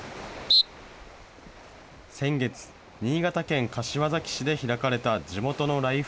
先月、新潟県柏崎市で開かれた地元のライフ